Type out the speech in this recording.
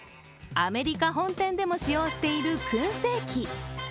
アメリカ本店でも使用しているくん製機。